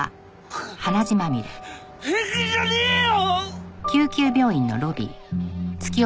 平気じゃねえよ！